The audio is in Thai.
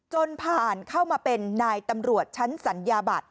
จนผ่านเข้ามาเป็นนายตำรวจชั้นสัญญาบัตร